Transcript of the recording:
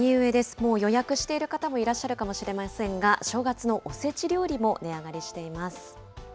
もう予約している方もいらっしゃるかもしれませんが、正月のおせち料理も値上がりしています。